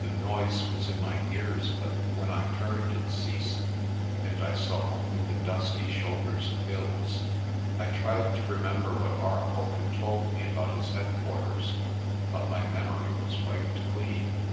The noise was in my ears, but when I turned it ceased, and I saw only the dusky shoulders of hills. I tried to remember what Arcoll had told me about his headquarters but my memory was wiped clean.